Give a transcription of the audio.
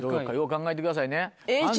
考えてくださいね。